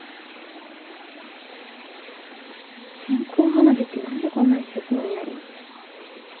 線香花火って何でこんなに切ないんだろ。